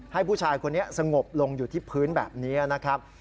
ให้ผู้ชายคนนี้สงบลงอยู่ที่พื้นแบบนี้นะครับ